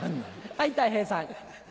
はいたい平さん。